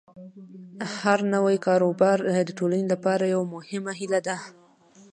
هر نوی کاروبار د ټولنې لپاره یوه هیله ده.